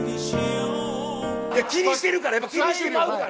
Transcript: いや気にしてるからやっぱ気にしてまうから。